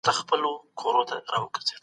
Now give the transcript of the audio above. نن ورځ د عمل ورځ ده.